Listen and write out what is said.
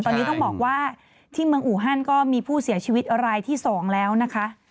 ตอนนี้ต้องบอกว่าที่เมืองอูฮันก็มีผู้เสียชีวิตรายที่๒แล้วนะคะ